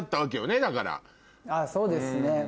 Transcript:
そうですね。